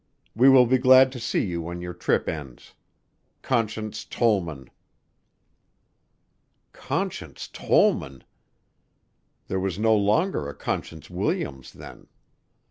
We will be glad to see you when your trip ends. "CONSCIENCE TOLLMAN." Conscience Tollman! There was no longer a Conscience Williams then.